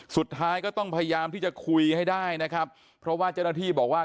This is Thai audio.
สุดท้ายก็ต้องพยายามที่จะคุยให้ได้นะครับเพราะว่าเจ้าหน้าที่บอกว่า